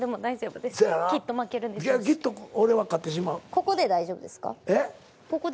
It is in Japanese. ここで大丈夫ですか？